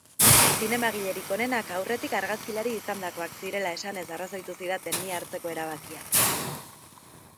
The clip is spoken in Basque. Zinemagilerik onenak aurretik argazkilari izandakoak zirela esanez arrazoitu zidaten ni hartzeko erabakia.